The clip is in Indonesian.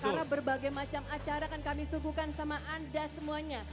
karena berbagai macam acara akan kami sukukan sama anda semuanya